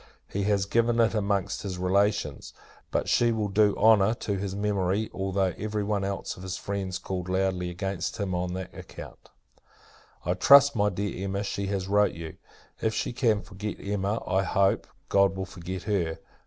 He has given it amongst his relations. But she will do honour to his memory, although every one else of his friends call loudly against him on that account." I trust, my dear Emma, she has wrote you. If she can forget Emma, I hope, God will forget her!